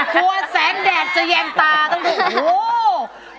พอแสงแดดจะแยงตาต้องดูโห้